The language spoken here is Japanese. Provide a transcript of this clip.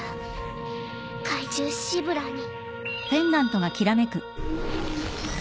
怪獣シブラーに。